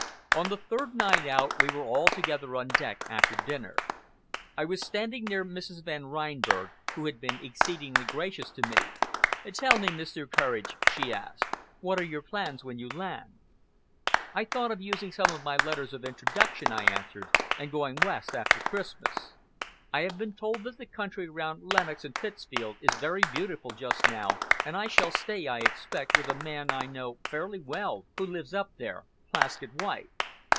On the third night out we were all together on deck after dinner. I was standing near Mrs. Van Reinberg, who had been exceedingly gracious to me. "Tell me, Mr. Courage," she asked, "what are your plans when you land?" "I thought of using some of my letters of introduction," I answered, "and going West after Christmas. I have been told that the country round Lenox and Pittsfield is very beautiful just now, and I shall stay, I expect, with a man I know fairly well, who lives up there Plaskett White."